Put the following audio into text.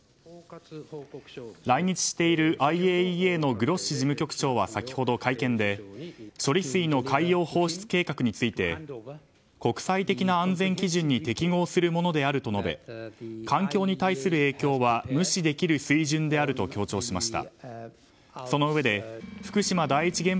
来日しているＩＡＥＡのグロッシ事務局長は先ほど会見で処理水の海洋放出計画について国際的な安全基準に適合するものであると述べ環境に対する影響は無視できる水準であると強調しました。